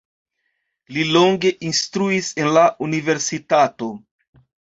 Li longe instruis en la universitato.